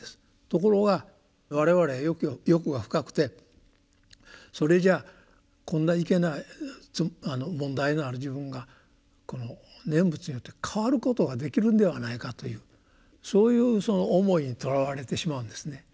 ところが我々は欲が深くて「それじゃこんないけない問題のある自分がこの念仏によって変わることができるんではないか」というそういうその思いにとらわれてしまうんですね。